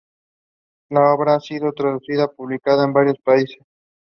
La obra ha sido traducida y publicada en varios países.